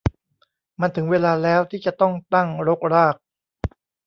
มันถึงเวลาแล้วที่จะต้องตั้งรกราก